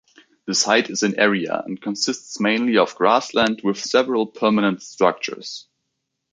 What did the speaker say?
The site is in area, and consists mainly of grassland with several permanent structures.